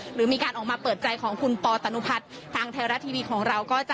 หรือมีการออกมาเปิดใจของคุณปอตนุพัฒน์ทางไทยรัฐทีวีของเราก็จะ